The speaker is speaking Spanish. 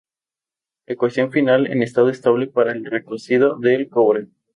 Ecuación final en estado estable para el recocido del cobre.